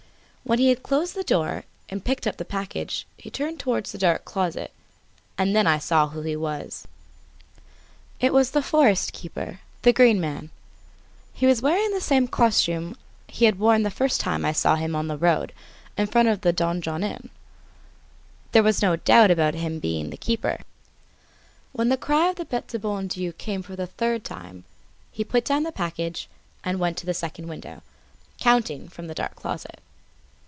When he had closed the door and picked up the package, he turned towards the dark closet, and then I saw who he was. He was the forest keeper, the Green Man. He was wearing the same costume that he had worn when I first saw him on the road in front of the Donjon Inn. There was no doubt about his being the keeper. As the cry of the Bete du Bon Dieu came for the third time, he put down the package and went to the second window, counting from the dark closet.